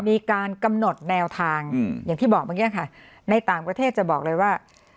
มีการกำหนดแนวทางอย่างที่บอกเมื่อกี้ค่ะในต่างประเทศจะบอกเลยว่า